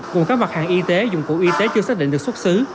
gồm các mặt hàng y tế dụng cụ y tế chưa xác định được xuất xứ